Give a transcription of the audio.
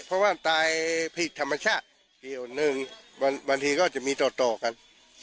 เพราะว่าตายผิดธรรมชาติเดียวหนึ่งบางทีก็จะมีต่อต่อกัน